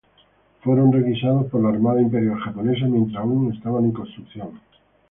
Fueron requisados por la Armada Imperial Japonesa mientras aún estaban en construcción.